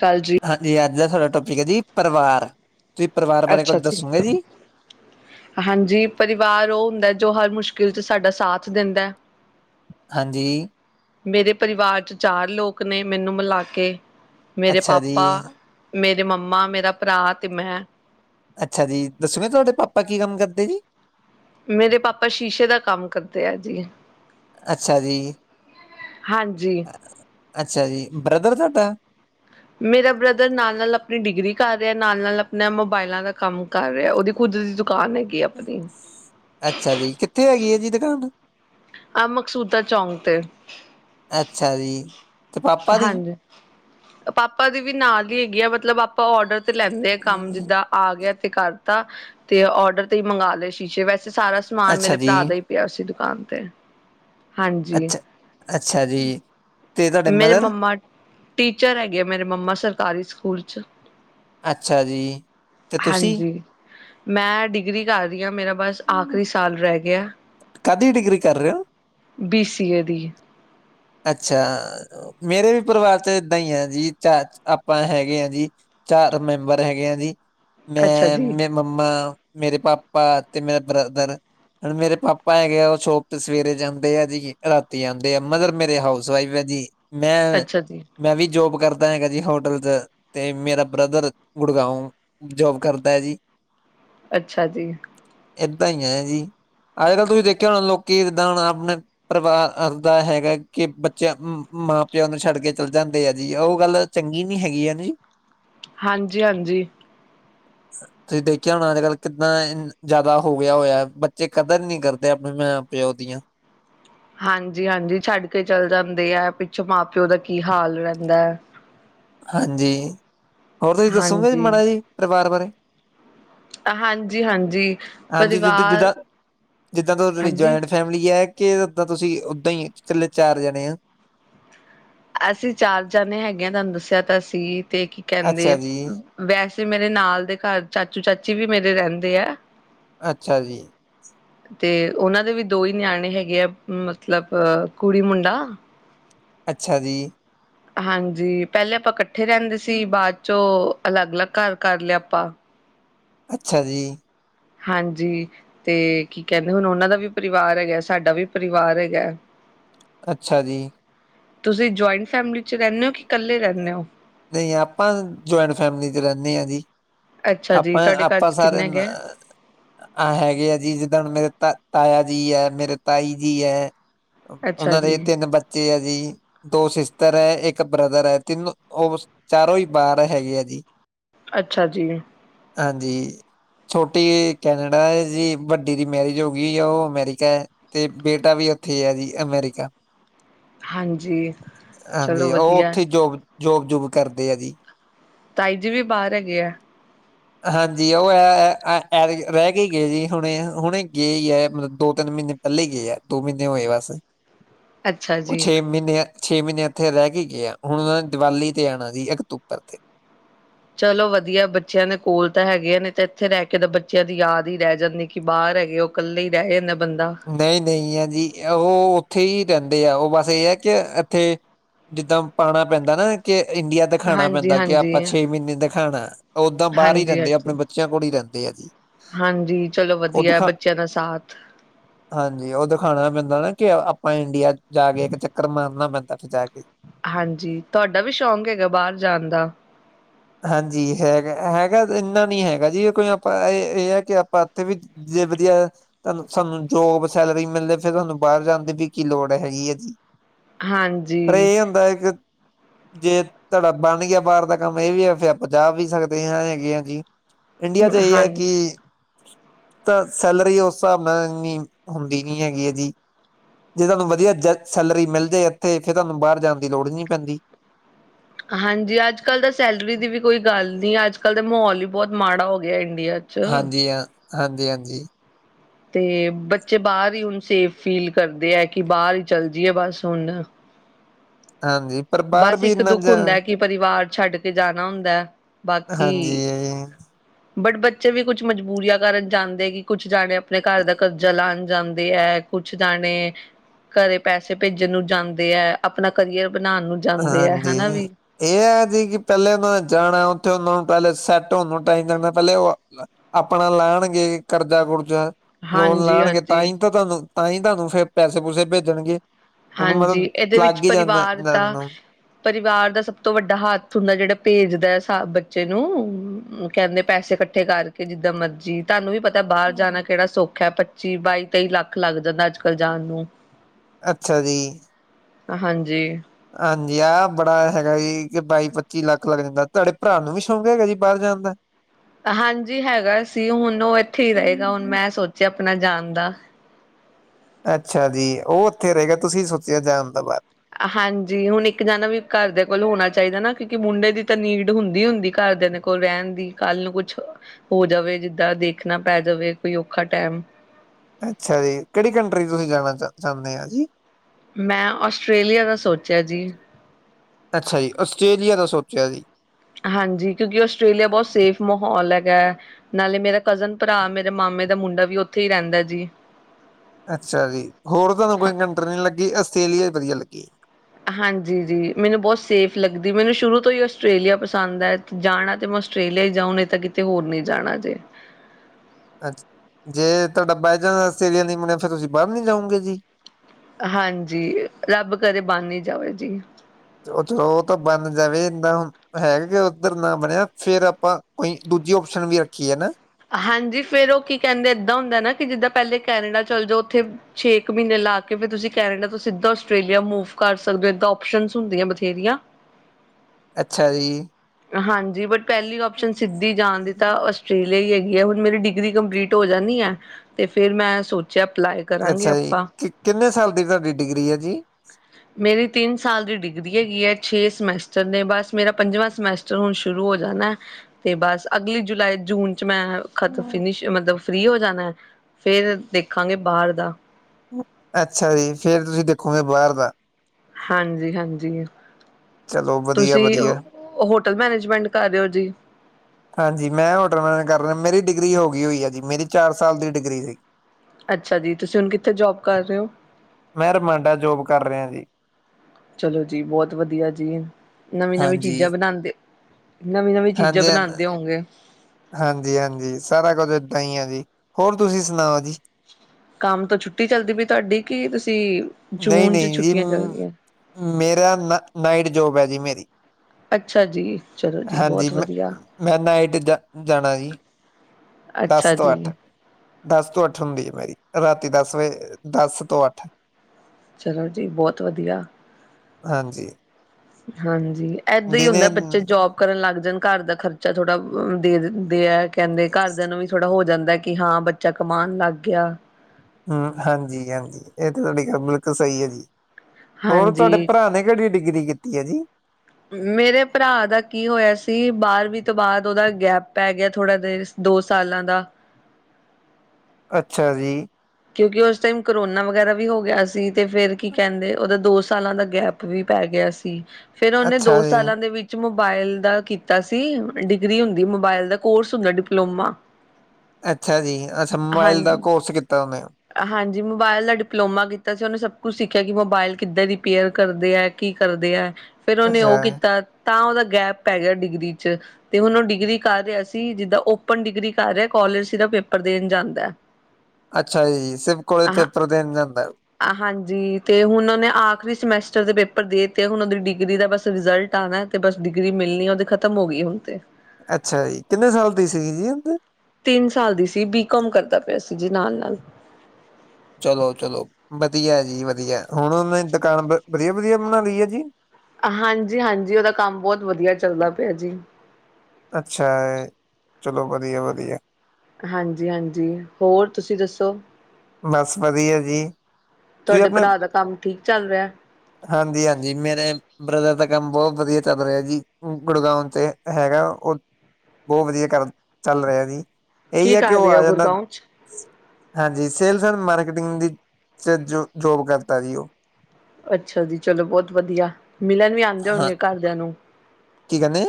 ਕਾਲ ਜੀ। ਹਾਂਜੀ ਅੱਜ ਦਾ ਸਾਡਾ ਟੋਪਿਕ ਐ ਜੀ ਪਰਵਾਰ। ਤੁਈ ਪਰਿਵਾਰ ਬਾਰੇ ਕੁੱਝ ਦੱਸੋਂਗੇ ਜੀ। ਹਾਂਜੀ ਪਰਿਵਾਰ ਓ ਹੁੰਦੈ ਜੋ ਹਰ ਮੁਸ਼ਕਿਲ 'ਚ ਸਾਡਾ ਸਾਥ ਦਿੰਦੈ। ਹਾਂਜੀ। ਮੇਰੇ ਪਰਿਵਾਰ 'ਚ ਚਾਰ ਲੋਕ ਨੇ ਮੈਨੂੰ ਮਿਲਾ ਕੇ, ਮੇਰੇ ਅੱਛਾ ਜੀ ਪਾਪਾ ਮੇਰੇ ਮੰਮਾ, ਮੇਰਾ ਭਰਾ ਤੇ ਮੈਂ। ਅੱਛਾ ਜੀ ਦੱਸੋਗੇ, ਤੁਹਾਡੇ ਪਾਪਾ ਕੀ ਕੰਮ ਕਰਦੇ ਜੀ? ਮੇਰੇ ਪਾਪਾ ਸ਼ੀਸ਼ੇ ਦਾ ਕੰਮ ਕਰਦੇ ਆ ਜੀ। ਅੱਛਾ ਹਾਂਜੀ। ਜੀ-ਅੱਛਾ ਜੀ, ਬ੍ਰਦਰ ਤੁਹਾਡਾ ਮੇਰਾ ਬ੍ਰਦਰ ਨਾਲ-ਨਾਲ ਆਪਣੀ ਡਿਗਰੀ ਕਰ ਰਿਹਾ, ਨਾਲ-ਨਾਲ ਆਪਣਾ ਮੋਬਾਇਲਾਂ ਦਾ ਕੰਮ ਕਰ ਰਿਹਾ, ਉਹਦੀ ਖੁਦ ਦੀ ਦੁਕਾਨ ਹੈਗੀ ਆ ਆਪਣੀ। ਅੱਛਾ ਜੀ, ਕਿੱਥੇ ਹੈਗੀ ਐਂ ਜੀ ਦੁਕਾਨ? ਆਹ ਮਕਸੂਦਾ ਚੌਂਕ ਤੇ। ਅੱਛਾ ਜੀ। ਤੇ ਪਾਪਾ ਦੀ ਹਾਂਜੀ, ਪਾਪਾ ਦੀ ਵੀ ਨਾਲ ਈ ਹੈਗੀ ਆ, ਮਤਲਬ ਆਪ ਆਪਾਂ ਔਡਰ ਤੇ ਲੈਂਨੇ ਕੰਮ ਹਮ, ਜਿੱਦਾਂ ਆ ਗਿਆ ਤੇ ਕਰਤਾ ਤੇ ਔਡਰ ਤੇ ਈ ਮੰਗਾ ਲਏ ਸ਼ੀਸ਼ੇ। ਵੈਸੇ ਸਾਰਾ ਸਮਾਨ ਅੱਛਾ ਮੇਰੇ ਜੀ ਭਰਾ ਦਾ ਈ ਪਿਆ ਸੀ ਦੁਕਾਨ ਤੇ। ਹਾਂਜੀ ਅੱਛਾ-ਅੱਛਾ ਜੀ। ਤੇ ਤੁਹਾਡੇ ਮੇਰੇ ਮਦਰ ਮੰਮਾ, ਟੀਚਰ ਹੈਗੇ ਆ ਮੇਰੇ ਮੰਮਾ ਸਰਕਾਰੀ ਸਕੂਲ 'ਚ ਅੱਛਾ ਜੀ ਤੇ ਤੁਸੀਂ ਹਾਂਜੀ, ਮੈਂ ਡਿਗਰੀ ਕਰ ਰਹੀ ਆ, ਮੇਰਾ ਬਸ ਆਖ਼ਰੀ ਸਾਲ ਰਹਿ ਗਿਆ। ਕਾਦੀ ਡਿਗਰੀ ਕਰ ਰੇ ਓ? ਬੀ, ਸੀ, ਏ ਦੀ। ਅੱਛਾ, ਮੇਰੇ ਵੀ ਪਰਿਵਾਰ 'ਚ ਏਦਾਂ ਈ ਆ ਜੀ, ਚਾ ਆਪਾਂ ਹੈਗੇ ਆ ਜੀ ਚਾਰ ਮੈਂਬਰ ਹੈਗੇ ਆ ਜੀ, ਅੱਛਾ ਮੈਂ ਜੀ ਮ ਮੰਮਾ, ਮੇਰੇ ਪਾਪਾ ਤੇ ਮੇਰਾ ਬ੍ਰਦਰ। ਹੁਣ ਮੇਰੇ ਪਾਪਾ ਹੈਗੇ ਆ, ਉਹ ਛੋਪ ਤੇ ਸਵੇਰੇ ਜਾਂਦੇ ਆ ਜੀ, ਰਾਤੀ ਆਂਦੇ ਆ। ਮਦਰ ਮੇਰੇ ਹਾਊਸ ਵਾਈਫ਼ ਐ ਜੀ, ਮੈਂ ਅੱਛਾ ਜੀ ਮੈਂ ਵੀ ਜੋਬ ਕਰਦਾ ਹੈਗਾ ਜੀ ਹੋਟਲ 'ਚ ਤੇ ਮੇਰਾ ਬ੍ਰਦਰ ਗੁੜਗਾਉ ਜੋਬ ਕਰਦਾ ਐ ਜੀ। ਅੱਛਾ ਜੀ। ਏਦਾਂ ਈ ਐ ਜੀ। ਅੱਜ-ਕੱਲ੍ਹ ਤੁਸੀਂ ਦੇਖਿਆ ਹੋਣਾ ਲੋਕ ਕੀ ਕਿਦਾਂ ਹੁਣ, ਆਪਣੇ ਪਰਿਵਾਰ ਦਾ ਹੈਗਾ ਕਿ ਬੱਚਿਆਂ, ਮਾਂ-ਪਿਓ ਨੂੰ ਛੱਡ ਕੇ ਚੱਲ ਜਾਂਦੇ ਆ ਜੀ। ਉਹ ਗੱਲ ਚੰਗੀ ਨੀ ਹੈਗੀ ਆ ਜੀ। ਹਾਂਜੀ-ਹਾਂਜੀ। ਤੁਸੀਂ ਦੇਖਿਆ ਹੁਣਾ ਅੱਜ-ਕੱਲ੍ਹ ਕਿੱਦਾਂ ਜਿਆਦਾ ਹੋ ਗਿਆ ਹੋਇਆ, ਬੱਚੇ ਕਦਰ ਨੀ ਕਰਦੇ ਆਪਣੇ ਪਿਆ ਉਹਦੀਆਂ। ਹਾਂਜੀ-ਹਾਂਜੀ ਛੱਡ ਕੇ ਚੱਲ ਜਾਂਦੇ ਆ, ਪਿੱਛੋਂ ਮਾਂ-ਪਿਓ ਦਾ ਕੀ ਹਾਲ ਰਹਿੰਦਾ। ਹਾਂਜੀ ਹੋਰ ਤੁਸੀਂ ਦੱਸੋਗੇ ਜੀ, ਹਾਂਜੀ ਮਾੜਾ ਜੀ ਪਰਿਵਾਰ ਬਾਰੇ? ਹਾਂਜੀ-ਹਾਂਜੀ ਹਾਂਜੀ ਜਦ, ਪਰਿਵਾਰ ਜਿੱਦਾਂ-ਜਿੱਦਾਂ ਤੁਹਡੀ ਹਾਂਜੀ ਜੋਇੰਟ ਫੈਮਿਲੀ ਐ ਕਿ ਉਦਾਂ ਤੁਸੀਂ ਓਦਾਂ ਈ, ਚੱਲੇ ਚਾਰ ਜਾਣੇ ਆ। ਅਸੀਂ ਚਾਰ ਜਣੇ ਹੈਗੇ, ਤੁਹਾਨੂੰ ਦੱਸਿਆ ਤਾਂ ਸੀ ਤੇ ਕੀ ਕਹਿੰਦੇ ਅੱਛਾ ਜੀ ਵੈਸੇ ਮੇਰੇ ਨਾਲ ਦੇ ਘਰ ਚਾਚੂ-ਚਾਚੀ ਵੀ ਮੇਰੇ ਰਹਿੰਦੇ ਐ। ਅੱਛਾ ਜੀ। ਤੇ ਉਹਨਾਂ ਦੇ ਵੀ ਦੋ ਈ ਨਿਆਣੇਂ ਹੈਗੇ ਆ, ਮਤਲਬ ਕੁੜੀ-ਮੁੰਡਾ। ਅੱਛਾ ਜੀ। ਹਾਂਜੀ ਪਹਿਲੇ ਆਪਾਂ ਕੱਠੇ ਰਹਿੰਦੇ ਸੀ, ਬਾਅ ਚੋਂ ਅਲੱਗ-ਅਲੱਗ ਘਰ ਕਰ ਲਿਆ ਆਪਾਂ। ਅੱਛਾ ਜੀ। ਹਾਂਜੀ। ਤੇ ਕੀ ਕਹਿੰਦੇ ਹੁਣ ਓਨਾਂ ਦਾ ਵੀ ਪਰਿਵਾਰ ਹੈਗਾ ਸਾਡਾ ਵੀ ਪਰਿਵਾਰ ਹੈਗਾ ਅੱਛਾ ਜੀ। ਤੁਸੀਂ ਜੁਆਇੰਟ ਫੈਮਿਲੀ ਚ ਰੈਨੇ ਓ ਕਿ ਕੱਲੇ ਰੈਨੇ ਓ? ਨਈ ਆਪਾਂ ਜੁਆਇੰਟ ਫੈਮਿਲੀ ਚ ਰੈਨੇ ਆ ਜੀ। ਅੱਛਾ ਜੀ ਤੁਹਾਡੇ ਘਰ ਆਪਾਂ-ਆਪਾਂ ਚ ਕਿੰਨੇ ਸਾਰੇ ਹੈਗੇ ਆਹ ਹੈਗੇ ਆ ਜੀ ਜਿੱਦਾਂ ਮੇਰੇ ਤਾ ਤਾਇਆ ਜੀ ਐ ਮੇਰੇ ਤਾਈ ਜੀ ਐ। ਅੱਛਾ ਓਨਾਂ ਦੇ ਜੀ, ਤਿੰਨ ਬੱਚੇ ਆ ਜੀ ਦੋ ਸਿਸਟਰ ਐ ਇੱਕ ਬ੍ਰਦਰ ਐ ਤਿੰਨੋ ਓ ਚਾਰੋਂ ਈ ਬਾਅਰ ਹੈਗੇ ਆ ਜੀ। ਅੱਛਾ ਜੀ। ਹਾਂਜੀ। ਛੋਟੀ ਕੈਨੇਡਾ ਏ ਜੀ ਵੱਡੀ ਦੀ ਮੈਰਿਜ ਹੋ ਗਈ ਆ ਓ ਅਮੈਰੀਕਾ ਐ। ਤੇ ਬੇਟਾ ਵੀ ਉੱਥੇ ਐ ਜੀ ਅਮੈਰੀਕਾ। ਹਾਂਜੀ ਚਲੋ ਹਾਂਜੀ ਓ ਵਧੀਆ। ਉੱਥੇ ਜੋਬ-ਜੋਬ-ਜੋਬ ਕਰਦੇ ਆ ਜੀ। ਤਾਈ ਜੀ ਵੀ ਬਾਹਰ ਹੈਗੇ ਆ? ਹਾਂਜੀ ਓ ਐ ਰਹਿ ਕੇ ਗਏ ਜੀ ਹੁਣੇ-ਹੁਣੇ ਗਏ ਈ ਐ ਮਤਲਬ ਦੋ ਤਿੰਨ ਮਹੀਨੇ ਕੱਲੈ ਗਏ ਦੋ ਮਹੀਨੇ ਹੋਏ ਆ ਬਸ ਅੱਛਾ ਓ ਜੀ। ਛੇ ਮਹੀਨੇ ਛੇ ਮਹੀਨੇ ਇੱਥੇ ਰਹਿ ਕੇ ਗਏ ਆ ਹੁਣ ਓ ਨੇ ਦੀਵਾਲੀ ਤੇ ਆਣਾ ਜੀ ਅਕਤੂਬਰ ਤੇ। ਚਲੋ ਵਧੀਆ ਬੱਚਿਆਂ ਦੇ ਕੋਲ ਤਾਂ ਹੈਗੇ ਆ ਨੇ ਤੇ ਇੱਥੇ ਰਹਿ ਕੇ ਤਾਂ ਬੱਚਿਆਂ ਦੀ ਯਾਦ ਈ ਰਹਿ ਜਾਂਦੀ ਕਿ ਬਾਅਰ ਹੈਗੇ ਓ। ਕੱਲੇ ਈ ਰਹਿ ਜਾਂਦਾ ਬੰਦਾ। ਨਈ-ਨਈ ਆ ਜੀ ਓ ਓਥੇ ਈ ਰਹਿੰਦੇ ਆ ਓ ਬਸ ਏ ਆ ਕਿ ਐਥੇ ਜਿੱਦਾਂ ਪਾਣਾ ਪੈਂਦਾ ਨਾ ਕਿ ਇੰਡੀਆ ਦਿਖਾਣਾ ਪੈਂਦਾ ਕਿ ਹਾਂਜੀ-ਹਾਂਜੀ। ਆਪਾਂ ਛੇ ਮਹੀਨੇ ਦਿਖਾਣਾ ਓਦਾਂ ਬਾਹਰ ਈ ਰਹਿੰਦੇ ਆ ਹਾਂਜੀ-ਹਾਂਜੀ, ਹਾਂਜੀ ਹਾਂਜੀ ਆਪਣੇ ਬੱਚਿਆਂ ਕੋਲ ਈ ਰਹਿੰਦੇ ਆ ਜੀ। ਹਾਂਜੀ ਚਲੋ ਉਹ ਵਧੀਆ ਦਿਖਾ ਬੱਚਿਆਂ ਦਾ ਸਾ ਹਾਂਜੀ ਓ ਦਿਖਾਣਾ ਪੈਂਦਾ ਨਾ ਕਿ ਆਪਾਂ ਇੰਡੀਆ ਜਾ ਕੇ ਇੱਕ ਚੱਕਰ ਮਾਰਨਾ ਪੈਂਦਾ ਫੇਰ ਓਥੇ ਜਾ ਕੇ। ਹਾਂਜੀ ਤੁਹਾਡਾ ਵੀ ਸ਼ੌਕ ਹੈਗਾ ਬਾਅਰ ਜਾਣ ਦਾ? ਹਾਂਜੀ ਹੈਗਾ-ਹੈਗਾ ਇੰਨਾ ਨੀ ਹੈਗਾ ਜੀ ਏ ਕੋਈ ਆਪਾਂ ਏ-ਏ ਐ ਕਿ ਆਪਾਂ ਇੱਥੇ ਵੀ ਜੇ ਵਧੀਆ ਤੁਹਾਨੂੰ ਸਾਨੂੰ ਜੋਬ ਸੈਲਰੀ ਮਿਲੇ ਫਿਰ ਤੁਹਾਨੂੰ ਬਾਹਰ ਜਾਣ ਦੀ ਵੀ ਕੀ ਲੋੜ ਹੈਗੀ ਐ ਜੀ। ਪਰ ਹਾਂਜੀ। ਏ ਹੁੰਦਾ ਕਿ ਜੇ ਤੁਹਡਾ ਬਣ ਗਿਆ ਬਾਅਰ ਦਾ ਕੰਮ ਏ ਵੀ ਹੈ ਫੇਰ ਆਪਾਂ ਜਾ ਵੀ ਸਕਦੇ ਆ ਹੈਗੇ ਆ ਜੀ ਇੰਡੀਆ ਚ ਏ ਹਾਂ ਹੈ ਕਿ ਤਾਂ ਸੈਲਰੀ ਓਸ ਹਿਸਾਬ ਨਾਲ ਇਨੀ ਹੁੰਦੀ ਨੀ ਹੈਗੀ ਐ ਜੀ ਜੇ ਤੁਹਾਨੂੰ ਵਧੀਆ ਜ ਸੈਲਰੀ ਮਿਲ ਜਾਏ ਐਥੇ ਫੇਰ ਤੁਹਾਨੂੰ ਬਾਅਰ ਜਾਣ ਦੀ ਲੋੜ ਈ ਨੀ ਪੈਂਦੀ। ਹਾਂਜੀ ਅੱਜ-ਕੱਲ੍ਹ ਤਾਂ ਸੈਲਰੀ ਦੀ ਵੀ ਕੋਈ ਗੱਲ ਨਈ ਅੱਜ-ਕੱਲ੍ਹ ਦਾ ਮਾਹੌਲ ਈ ਬੋਤ ਮਾੜਾ ਹੋ ਗਿਆ ਇੰਡੀਆ 'ਚ। ਹਾਂਜੀ ਹ ਹਾਂਜੀ-ਹਾਂਜੀ। ਤੇ ਬੱਚੇ ਬਾਅਰ ਈ ਹੁਣ ਸੇਫ ਫੀਲ ਕਰਦੇ ਆ ਕਿ ਬਾਅਰ ਹੀ ਚੱਲ ਜਾਈਏ ਬਸ ਹੁਨ ਹਾਂਜੀ ਪਰ ਬਾਅਰ ਵੀ ਇੱਕ ਇੰਨਾ ਜ ਦੁੱਖ ਹੁੰਦਾ ਹੈ ਕਿ ਪਰਿਵਾਰ ਛੱਡ ਕੇ ਜਾਣਾ ਹੁੰਦਾ ਬਾਕੀ ਹਾਂਜੀ ਬਟ ਬੱਚੇ ਵੀ ਕੁਛ ਮਜਬੂਰੀਆਂ ਕਰਨ ਜਾਂਦੇ। ਕਿ ਕੁਛ ਜਾਣੇ ਆਪਣੇ ਘਰ ਦਾ ਕਰਜ਼ਾ ਲਾਉਣ ਜਾਂਦੇ ਹੈ ਕੁਛ ਜਾਣੇ ਘਰੇ ਪੈਸੇ ਭੇਜਣ ਨੂੰ ਜਾਂਦੇ ਐ ਆਪਣਾ ਕਰੀਅਰ ਬਣਾਣ ਨੂੰ ਜਾਂਦੇ ਐ ਹਨਾ ਵੀ? ਏ ਆ ਜੀ ਕਿ ਪਹਿਲੇ ਓਨਾਂ ਨੇ ਜਾਣਾ ਉੱਥੇ ਓਨਾਂ ਨੂੰ ਪਹਿਲੇ ਸੈੱਟ ਹੋਣ ਨੂੰ ਟਾਈਮ ਜਾਣਾ ਪੈਲੇ ਉਹ ਆਪਣਾ ਲਾਣਗੇ ਕਰਜ਼ਾ-ਕੁਰਜਾ ਲੋਨ ਹਾਂਜੀ ਲਾਣਗੇ ਤਾਂ ਹਾਂਜੀ ਈ ਤਾਂ ਤੁਹਾਨੂੰ ਤਾਂ ਈ ਤੁਹਾਨੂੰ ਫ ਪੈਸੇ- ਪੂਸੇ ਭੇਜਣਗੇ ਉਹਨੂੰ ਹਾਂਜੀ। ਮਤਲਬ ਇਹਦੇ ਵਿੱਚ ਲੱਗ ਹੀ ਜਾਂਦਾ ਪਰਿਵਾਰ ਦਾ ਨੂੰ ਪਰਿਵਾਰ ਦਾਸਭ ਤੋਂ ਵੱਡਾ ਹੱਥ ਹੁੰਦਾ ਜਿਹੜਾ ਭੇਜਦਾ ਸਾ ਬੱਚੇ ਨੂੰ ਕਹਿੰਦੇ ਪੈਸੇ ਇਕੱਠੇ ਕਰਕੇ ਜਿੱਦਾਂ ਮਰਜ਼ੀ ਤੁਹਾਨੂੰ ਵੀ ਪਤਾ ਬਾਹਰ ਜਾਣਾ ਕਿਹੜਾ ਸੁੌੱਖ ਹੈ ਪੱਚੀ ਬਾਈ ਤੇਈ ਲੱਖ ਲੱਗ ਜਾਂਦਾ ਅੱਜ ਕੱਲ੍ਹ ਜਾਣ ਨੂੰ ਅੱਛਾ ਜੀ ਹਾਂਜੀ ਹਾਂਜੀ ਆਹ ਬੜਾ ਹੈਗਾ ਜੀ ਕਿ ਬਾਈ ਪੱਚੀ ਲੱਖ ਲੱਗ ਜਾਂਦਾ ਤੁਹਾਡੇ ਭਰਾ ਨੂੰ ਵੀ ਸ਼ੌਂਕ ਹੈਗਾ ਜੀ ਬਾਹਰ ਜਾਣ ਦਾ ਹਾਂਜੀ ਹੈਗਾ ਸੀ ਹੁਣ ਉਹ ਇੱਥੇ ਹੀ ਰਹੇਗਾ ਹੁਣ ਮੈਂ ਸੋਚਿਆ ਆਪਣਾ ਜਾਣ ਦਾ ਅੱਛਾ ਜੀ ਉਹ ਉੱਥੇ ਰਹੇਗਾ ਤੁਸੀਂ ਸੋਚਿਆ ਜਾਣ ਦਾ ਬਾਰ ਹਾਂਜੀ ਹੁਣ ਇੱਕ ਜਾਣਾ ਵੀ ਘਰ ਦੇ ਕੋਲ ਹੋਣਾ ਚਾਹੀਦਾ ਨਾ ਕਿਉਂਕਿ ਮੁੰਡੇ ਦੀ ਤਾਂ ਨੀਡ ਹੁੰਦੀ ਹੁੰਦੀ ਘਰਦਿਆਂ ਦੇ ਨੇ ਕੋਲ ਰਹਿਣ ਦੀ ਕੱਲ ਨੂੰ ਕੁਛ ਹੋ ਜਾਵੇ ਜਿੱਦਾਂ ਦੇਖਣਾ ਪੈ ਜਾਵੇ ਕੋਈ ਔਖਾ ਟਾਈਮ ਅੱਛਾ ਜੀ ਕਿਹੜੀ ਕੰਟਰੀ ਤੁਸੀਂ ਜਾਣਾ ਚ ਚਾਹੁੰਦੇ ਆ ਜੀ। ਮੈਂ ਆਸਟ੍ਰੇਲੀਆ ਦਾ ਸੋਚਿਆ ਜੀ ਅੱਛਾ ਜੀ ਆਸਟ੍ਰੇਲੀਆ ਦਾ ਸੋਚਿਆ ਜੀ ਹਾਂਜੀ ਕਿਉਂਕਿ ਆਸਟ੍ਰੇਲੀਆ ਬਹੁਤ ਸੇਫ ਮਾਹੌਲ ਹੈਗਾ ਹੈ। ਨਾਲੇ ਮੇਰਾ ਕਜ਼ਨ ਭਰਾ ਮੇਰੇ ਮਾਮੇ ਦਾ ਮੁੰਡਾ ਵੀ ਉੱਥੇ ਹੀ ਰਹਿੰਦਾ ਜੀ ਅੱਛਾ ਜੀ ਹੋਰ ਤੁਹਾਨੂੰ ਕੋਈ ਹਾਂ, ਕੰਟਰੀ ਨੀ ਲੱਗੀ ਆਸਟ੍ਰੇਲੀਆ ਹੀ ਵਧੀਆ ਲੱਗੀ ਹਾਂਜੀ ਜੀ ਮੈਨੂੰ ਬਹੁਤ ਸੇਫ ਲੱਗਦੀ ਮੈਨੂੰ ਸ਼ੁਰੂ ਤੋਂ ਹੀ ਆਸਟ੍ਰੇਲੀਆ ਪਸੰਦ ਹੈ ਜਾਣਾ ਤੇ ਮੈਂ ਆਸਟ੍ਰੇਲੀਆ ਹੀ ਜਾਊ ਨਹੀਂ ਤਾਂ ਕਿਤੇ ਹੋਰ ਨਹੀਂੀ ਜਾਣਾ ਜੇ ਅੱਛਾ ਜੇ ਤੁਹਾਡਾ ਬਾਚਾਂਸ ਆਸਟ੍ਰੇਲੀਆ ਨਹੀਂ ਬਣਿਆ ਫਿਰ ਤੁਸੀਂ ਬਾਹਰ ਨੀ ਜਾਓਗੇ ਜੀ ਹਾਂਜੀ ਰੱਬ ਕਰੇ ਬਣ ਹੀ ਜਾਵੇ ਜੀ ਚਲੋ ਚਲੋ ਉਹ, ਉਹ ਤਾਂ ਬਣ ਜਾਵੇਦਾ ਹੁਣ ਹੈਗੇ ਉੱਧਰ ਨਾ ਬਣਿਆ ਫੇਰ ਆਪਾਂ ਕੋਈ ਦੂਜੀ ਓਪਸ਼ਨ ਵੀ ਰੱਖੀਏ ਨਾ ਹਾਂਜੀ ਫੇਿਰ ਉਹ ਕੀ ਕਹਿੰਦੇ ਏਦਾਂ ਹੁੰਦਾ ਨਾ ਕਿ ਜਿੱਦਾਂ ਪਹਿਲੇ ਕੈਨੇਡਾ ਚੱਲ ਜਾਓ ਉੱਥੇ ਛੇ ਇੱਕ ਮਹੀਨੇ ਲਾ ਕੇ ਫਿਰ ਤੁਸੀਂ ਕੈਨੇਡਾ ਤੋਂ ਸਿੱਧਾ ਆਸਟ੍ਰੇਲੀਆ ਮੂਵ ਕਰ ਸਕਦੇ ਹੋ ਇਏਦਾਂ ਓਪਸ਼ਨ ਹੁੰਦੀਆਂ ਬਥੇਰੀਆਂ ਅੱਛਾ ਜੀ। [inaudible] ਹਾਂਜੀ ਬਟ ਪਹਿਲੀ ਆਪਓਸ਼ਨ ਸਿੱਧੀ ਜਾਣ ਦੀ ਤਾਂ ਲਈ ਹੈਗੀ ਹੈ ਹੁਣ ਮੇਰੀ ਡਿਗਰੀ ਕੰਪਲੀਟ ਹੋ ਜਾਣੀ ਹੈ ਤੇ ਫੇਿਰ ਮੈਂ ਸੋਚਿਆ ਅਪਲਾਈ ਕਰਾਂਗੇ ਅੱਛਾ ਜੀ ਆਪਾਂ ਕਿ ਕਿੰਨੇ ਸਾਲ ਦੀ ਤੁਹਾਡੀ ਡਿਗਰੀ ਹੈ ਜੀ [unintelligible] ਮੇਰੀ ਤਿੰਨ ਸਾਲ ਦੀ ਡਿਗਰੀ ਹੈਗੀ ਹੈ ਛੇ ਸਮੈਸਟਰ ਨੇ ਬਸ ਮੇਰਾ ਪੰਜਵਾਂ ਸਮੈਸਟਰ ਹੁਣ ਸ਼ੁਰੂ ਹੋ ਜਾਣਾ ਅਤੇ ਬਸ ਅਗਲੀ ਜੁਲਾਈ ਜੂਨ ਮੈਂ ਖਤ ਫਿਨਿਸ਼ ਮਤਲਬ ਫਰੀ ਹੋ ਜਾਣਾ ਹੈ ਫੇਰ ਦੇਖਾਂਗੇ ਬਾਹਰ ਦਾ ਅੱਛਾ ਜੀ ਫੇਰ ਤੁਸੀਂ ਦੇਖੋਗੇ ਬਾਹਰ ਦਾ ਹਾਂਜੀ, ਹਾਂਜੀ ਚਲੋ ਵਧੀਆ ਤੁਸੀਂ ਵਧੀਆ। ਉਹ ਹੋਟਲ ਮੈਨੇਜਮੈਂਟ ਕਰ ਰਹੇ ਹੋ ਜੀ ਹਾਂਜੀ ਮੈਂ ਹੋਟਲ ਮੈਨੇਜ ਕਰ ਰਿਹਾ ਮੇਰੀ ਡਿਗਰੀ ਹੋ ਗਈ ਹੋਈ ਆ ਜੀ ਮੇਰੀ ਚਾਰ ਸਾਲ ਦੀ ਡਿਗਰੀ ਸੀਗੀ ਅੱਛਾ ਜੀ ਤੁਸੀਂ ਹੁਣ ਕਿੱਥੇ ਜੋਬ ਕਰ ਰਹੇ ਹੋ ਮੈਂ ਰਮਾਂਡਾ ਜੋਬ ਕਰ ਰਿਹਾ ਜੀ ਚਲੋ ਜੀ ਬਹੁਤ ਵਧੀਆ ਜੀ ਨਵੀਂ, ਨਵੀਂ ਚੀਜ਼ਾਂ ਹਾਂਜੀ। ਬਣਾਉਂਦੇ ਨਵੀਂ, ਨਵੀਂ ਚੀਜ਼ਾਂ ਹਾਂਜੀ ਹਾਂ, ਬਣਾਉਂਦੇ ਹੋਗੇ ਹਾਂਜੀ ਹਾਂਜੀ ਸਾਰਾ ਕੁਝ ਏਦਾਂ ਹੀ ਆ ਜੀ ਹੋਰ ਤੁਸੀਂ ਸੁਣਾਓ ਜੀ ਕੰਮ ਤੋਂ ਛੁੱਟੀ ਚੱਲਦੀ ਪਈ ਤੁਹਾਡੀ ਕੀ ਤੁਸੀਂ ਨਹੀਂ ਜੂਨ ਚ ਨਹੀਂ ਜੀ ਛੁੱਟੀਆਂ ਚੱਲਦੀਆਂ ਮੇਰਾ ਨਾਈਟ ਜੋਬ ਹੈ ਜੀ ਮੇਰੀ ਅੱਛਾ ਜੀ ਚਲੋ ਜੀ ਹਾਂਜੀ ਬਹੁਤ ਮੈਂ ਵਧੀਆ ਮੈਂ ਨਾਈਟ ਜਾ ਜਾਣਾ ਜੀ ਦਸ ਅੱਛਾ ਤੋਂ ਜੀ ਅੱਠ। ਦਸ ਤੋਂ ਅੱਠ ਹੁੰਦੀ ਐ ਮੇਰੀ, ਰਾਤੀ ਦਸ ਵਜੇ ਦਸ ਤੋਂ ਅੱਠ। ਚਲੋ ਜੀ, ਬੋਤ ਵਧੀਆ ਹਾਂਜੀ। ਹਾਂਜੀ। ਏਦਾਂ ਈ ਦਿਨੇ ਹੁੰਦਾ ਬੱਚੇ ਜੋਬ ਕਰਨ ਲੱਗ ਜਾਣ ਘਰ ਦਾ ਖਰਚਾ ਥੋੜਾ ਬ ਅ ਦੇ ਦੇਂਦੇ ਐ ਕਹਿੰਦੇ ਘਰਦਿਆਂ ਨੂੰ ਵੀ ਥੋੜਾ ਹੋ ਜਾਂਦਾ ਕਿ ਹਾਂ ਬੱਚਾ ਕਮਾਣ ਲੱਗ ਗਿਆ। ਹਂ, ਹਾਂਜੀ ਹਾਂਜੀ ਇਹ ਤਾਂ ਤੁਹਾਡੀ ਗੱਲ ਬਿਲਕੁਲ ਸਹੀ ਐ ਜੀ। ਹੋਰ ਤੁਹਾਡੇ ਹਾਂਜੀ ਭਰਾ ਨੇ ਕਿਹੜੀ ਡਿਗਰੀ ਕੀਤੀ ਐ ਜੀ। ਮੇਰੇ ਭਰਾ ਦਾ ਕੀ ਹੋਇਆ ਸੀ ਬਾਰਵੀਂ ਤੋਂ ਬਾਅਦ ਉਹਦਾ ਗੈਪ ਪੈ ਗਿਆ ਥੋੜਾ ਦੇਰ ਦੋ ਸਾਲਾਂ ਦਾ। ਅੱਛਾ ਜੀ। ਕਿਉਂਕਿ ਉਸ ਟਾਈਮ ਕਰੋਨਾ ਵਗੈਰਾ ਵੀ ਹੋ ਗਿਆ ਸੀ ਤੇ ਫੇਰ ਕੀ ਕਹਿੰਦੇ ਉਹਦਾ ਦੋਸ ਸਾਲਾਂ ਦਾ ਗੈਪ ਵੀ ਪੈ ਗਿਆ ਸੀ ਫੇਰ ਉਹਨੇ ਦੋ ਅੱਛਾ ਜੀ। ਸਾਲਾਂ ਦੇ ਵਿੱਚ ਮੋਬਾਇਲ ਦਾ ਕੀਤਾ ਸੀ ਡਿਗਰੀ ਹੁੰਦੀ ਮੋਬਾਇਲ ਦਾ ਕੋਰਸ ਹੁੰਦਾ ਡਿਪਲੋਮਾ [inaudible] ਅੱਛਾ ਜੀ, ਅੱਛਾ ਮੋਬਾਇਲ ਦਾ ਹਾਂਜੀ ਕੋਰਸ ਕੀਤਾ ਉਹਨੇਂ। ਹਾਂਜੀ ਮੋਬਾਇਲ ਦਾ ਡਿਪਲੋਮਾ ਕੀਤਾ ਸੀ ਉਹਨੇ ਸਭ ਕੁਛ ਸਿੱਖਿਆ ਕਿ ਮੋਬਾਇਲ ਕਿੱਦਾਂ ਰਿਪੇਅਰ ਕਰਦੇ ਐ। ਕੀ ਕਰਦੇ ਐ ਫੇਰ ਉਹਨੇ ਅੱਛਾ। ਉਹ ਕੀਤਾ ਤਾਂ ਉਹਦਾ ਗੈਪ ਪੈ ਗਿਆ ਡਿਗਰੀ ਚ। ਤੇ ਹੁਣ ਉਹ ਡਿਗਰੀ ਕਰ ਰਿਹਾ ਸੀ ਜਿੱਦਾਂ ਓਪਨ ਡਿਗਰੀ ਕਰ ਰਿਆ ਕੋਲਜ ਸਿਰਫ ਪੇਪਰ ਦੇਣ ਜਾਂਦਾ। ਅੱਛਾ ਜੀ, ਸਿਰਫ ਕੋਲੇਜ ਹਾਂ ਪੇਪਰ ਦੇਨ ਜਾਂਦਾ। ਹਾਂਜੀ ਤੇ ਹੁਣ ਉਹਨੇ ਆਖਰੀ ਸਮੈਸਟਰ ਦੇ ਪੇਪਰ ਦੇ ਤੇ ਹੁਣ ਉਹਦੀ ਡਿਗਰੀ ਦਾ ਬਸ ਰਿਜਲਟ ਆਨਾ। ਤੇ ਬਸ ਡਿਗਰੀ ਮਿਲਣੀ ਆ ਉਹਦੇ ਖ਼ਤਮ ਹੋ ਗਈ ਹੁਣ ਤੇ। ਅੱਛਾ ਜੀ, ਕਿੰਨੇ ਸਾਲ ਦੀ ਸੀਗੀ ਜੀ। ਤਿੰਨ ਸਾਲ ਦੀ ਸੀ, ਬੀਕੋਮ ਕਰਦਾ ਪਿਆ ਸੀ ਜੀ ਨਾਲ-ਨਾਲ। ਚਲੋ ਚਲੋ, ਵਧੀਆ ਜੀ ਵਧੀਆ, ਹੁਣ ਉਹਨੇ ਦੁਕਾਨ ਵਧੀਆ-ਵਧੀਆ ਬਣਾ ਲਈ ਆ ਜੀ। ਆਹਾਂਜੀ ਹਾਂਜੀ, ਉਹਦਾ ਕੰਮ ਬਹੁਤ ਵਧੀਆ ਚੱਲਦਾ ਪਿਆ ਜੀ। ਅੱਛਾ ਏ, ਚਲੋ ਵਧੀਆ ਵਧੀਆ। ਹਾਂਜੀ ਹਾਂਜੀ, ਹੋਰ ਤੁਸੀਂ ਦੱਸੋ? ਬਸ ਵਧੀਆ ਜੀ, ਤੁਆਡੇ ਭਰਾ ਦਾ ਕੰਮ ਠੀਕ ਚੱਲ ਰਿਆ। ਹਾਂਜੀ ਹਾਂਜੀ ਮੇਰੇ ਬ੍ਰਦਰ ਦਾ ਕੰਮ ਬਹੁਤ ਵਧੀਆ ਚੱਲ ਰਿਆ ਜੀ, ਗੁੜਗਾਉਂ ਤੇ ਹੈਗਾ ਓਹ ਬੋਤ ਵਧੀਆ ਕਰ, ਚੱਲ ਰਿਹਾ ਜੀ, ਇਹੀ ਕੀ ਐ ਕਿ ਉਹ ਕਰਦੇ ਆ ਹੋ ਜਾਂਦਾ ਗੁੜਗਾਉਂ 'ਚ? ਹਾਂਜੀ, ਸੇਲਸ ਐੰਡ ਮਾਰਕੀਟਿੰਗ ਦੀ ਜੋ ਜੋਬ ਕਰਦਾ ਜੀ ਉਹ। ਅੱਛਾ ਜੀ, ਚਲੋ ਬੋਤ ਵਧੀਆ। ਮਿਲਣ ਵੀ ਆਂਦੇ ਹਾਂ ਹੋਣਗੇ ਘਰਦਿਆਂ ਨੂੰ। ਕੀ ਕਹਿੰਦੇ?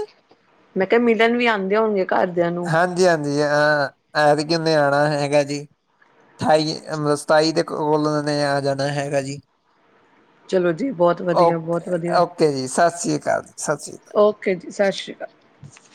ਮੈਂ ਕਿਹਾ ਮਿਲਣ ਵੀ ਆਂਦੇ ਹੋਣਗੇ ਘਰ ਹਾਂਜੀ ਹਾਂਜੀ ਆਂ ਐਤਕੀ ਓਨੇ ਆਣਾ ਹੈਗਾ ਜੀ। ਠਾਈ ਮਤਲਬ ਸਤਾਈ ਦੇ ਕੋਲ ਓਨੇ ਆ ਜਾਣਾ ਹੈਗਾ ਜੀ। ਚਲੋ ਜੀ ਬਹੁਤ ਵਧੀਆ ਓਕੇ ਬਹੁਤ ਵਧੀਆ। ਓਕੇ ਜੀ, ਸਤਿ ਸ੍ਰੀ ਅਕਾਲ, ਜੀ ਸਤਿ ਸ੍ਰੀ ਅਕਾਲ। ਠੀਕ ਏ ਜੀ, ਸਤਿ ਸ਼੍ਰੀ ਅਕਾਲ।